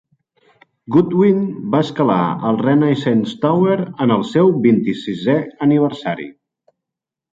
Goodwin va escalar el Renaissance Tower en el seu vint-i-sisè aniversari.